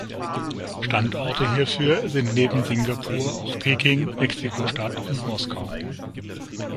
Standorte hierfür sind neben Singapur auch Peking, Mexiko-Stadt und Moskau.